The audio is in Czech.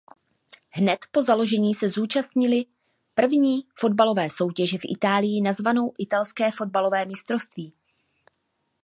Hned po založení se zúčastnili první fotbalové soutěže v Itálii nazvanou Italské fotbalové mistrovství.